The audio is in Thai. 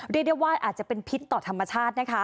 เรียกได้ว่าอาจจะเป็นพิษต่อธรรมชาตินะคะ